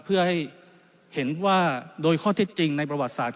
เพื่อให้เห็นว่าโดยข้อเท็จจริงในประวัติศาสต